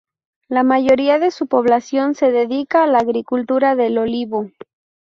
La mayoría de su población se dedica a la agricultura del olivo.